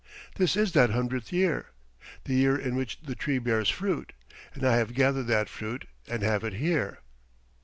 This is that hundredth year, the year in which the tree bears fruit, and I have gathered that fruit and have it here."